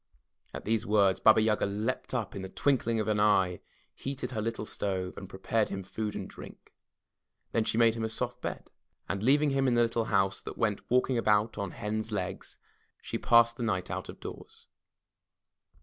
*' At these words Baba Yaga leaped up in the twinkling of an eye, heated her little stove, and prepared him food and drink. Then she made him a soft bed, and leaving him in the little house that went walking about on hen*s legs, she passed the night out of doors.